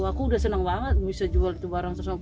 aku udah senang banget bisa jual itu barang satu ratus lima puluh